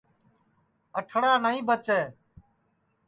اٹھڑا نائی بچے